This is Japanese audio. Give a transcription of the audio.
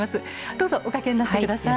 どうぞお掛けになって下さい。